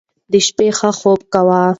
د شپې ښه خوب کوئ.